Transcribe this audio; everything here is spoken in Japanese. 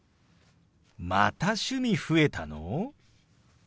また趣味増えたの！？